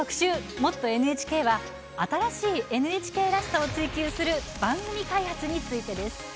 「もっとＮＨＫ」は「新しいＮＨＫらしさ」を追求する番組開発についてです。